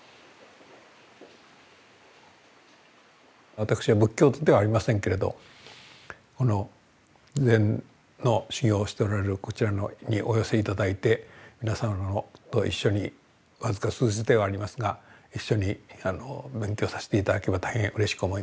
私は仏教徒ではありませんけれど禅の修行をしておられるこちらにお寄せ頂いて皆さんとご一緒に僅か数日ではありますが一緒に勉強させて頂ければ大変うれしく思います。